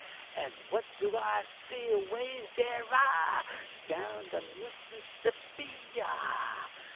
And what do I see away thar' ah! down the Mississippi ah!